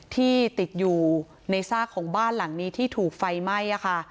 ที่ติดอยู่ในซากของบ้านหลังนี้ที่ถูกไฟไหม้ค่ะ